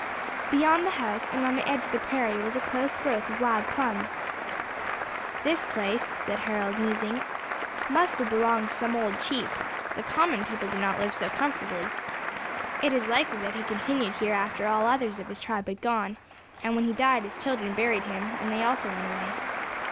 Beyond the house, and on the edge of the prairie, was a close growth of wild plums. "This place," said Harold, musing, "must have belonged to some old chief. The common people do not live so comfortably. It is likely that he continued here after all others of his tribe had gone; and when he died, his children buried him, and they also went away.